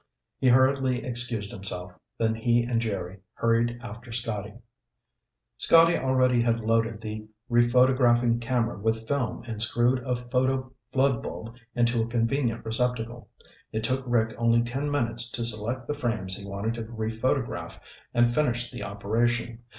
He hurriedly excused himself, then he and Jerry hurried after Scotty. Scotty already had loaded the rephotographing camera with film and screwed a photo flood bulb into a convenient receptacle. It took Rick only ten minutes to select the frames he wanted to rephotograph and finish the operation.